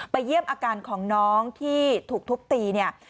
เยี่ยมอาการของน้องที่ถูกทุบตีเนี่ย